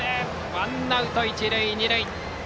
ワンアウト一塁二塁。